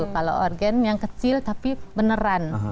kalau organ yang kecil tapi beneran